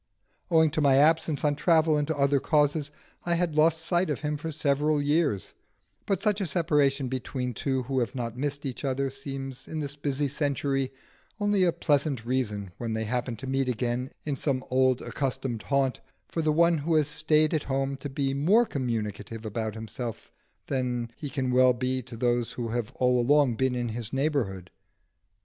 Owing to my absence on travel and to other causes I had lost sight of him for several years, but such a separation between two who have not missed each other seems in this busy century only a pleasant reason, when they happen to meet again in some old accustomed haunt, for the one who has stayed at home to be more communicative about himself than he can well be to those who have all along been in his neighbourhood.